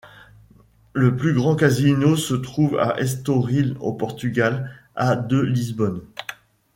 Le plus grand casino se trouve à Estoril au Portugal à de Lisbonne.